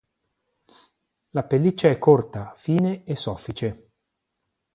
La pelliccia è corta, fine e soffice.